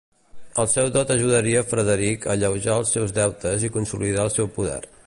El seu dot ajudaria Frederic a alleujar els seus deutes i consolidar el seu poder.